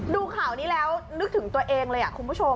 ดูข่าวนี้แล้วนึกถึงตัวเองเลยคุณผู้ชม